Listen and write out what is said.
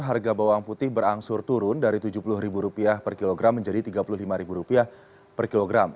harga bawang putih berangsur turun dari rp tujuh puluh per kilogram menjadi rp tiga puluh lima per kilogram